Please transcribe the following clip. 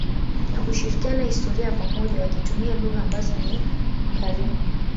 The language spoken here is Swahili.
na kushirikiana historia ya pamoja wakitumia lugha ambazo ni karibu.